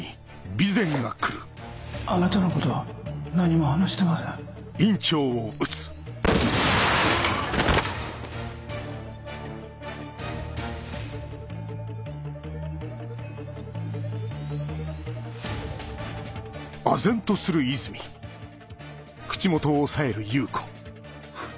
あなたのことは何も話してませんハッ。